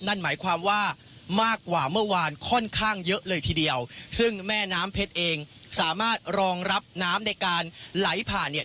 นั่นหมายความว่ามากกว่าเมื่อวานค่อนข้างเยอะเลยทีเดียวซึ่งแม่น้ำเพชรเองสามารถรองรับน้ำในการไหลผ่านเนี่ย